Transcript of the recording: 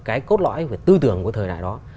cái cốt lõi về tư tưởng của thời đại đó